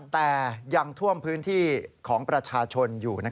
แต่ยังท่วมพื้นที่ของประชาชนอยู่